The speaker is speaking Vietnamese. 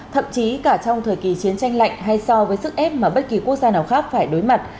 thậm chí cả trong thời kỳ chiến tranh lạnh hay so với sức ép mà bất kỳ quốc gia nào khác phải đối mặt